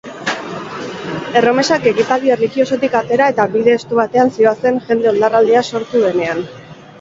Erromesak ekitaldi erlijiosotik atera eta bide estu batean zihoazen jende oldarraldia sortu denean.